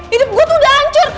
hidup gue tuh udah hancur